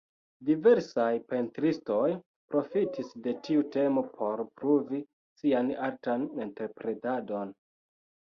Diversaj pentristoj profitis de tiu temo por pruvi sian artan interpretadon.